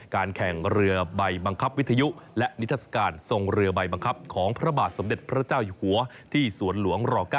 แข่งเรือใบบังคับวิทยุและนิทัศกาลทรงเรือใบบังคับของพระบาทสมเด็จพระเจ้าอยู่หัวที่สวนหลวงร๙